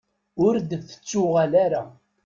Ur d-tettuɣal ara.